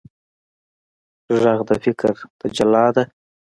غږ د فکر تجلی ده